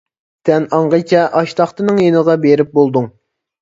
سەن ئاڭغىچە ئاشتاختىنىڭ يېنىغا بېرىپ بولدۇڭ.